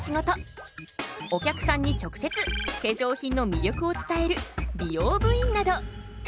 お客さんに直接化粧品の魅力を伝える美容部員など。